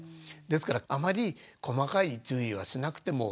ですからあまり細かい注意はしなくてもいいと思います。